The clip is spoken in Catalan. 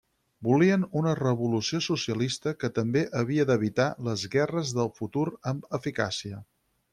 Volien una revolució socialista que també havia d'evitar les guerres del futur amb eficàcia.